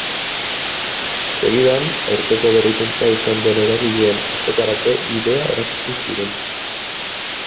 Segidan, aurtengo berrikuntza izan den eragileen azokarako bidea erakutsi zigun.